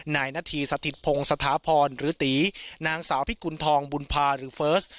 นายนาธีสถิตพงศ์สถาพรหรือตีนางสาวพิกุณฑองบุญภาหรือเฟิร์ส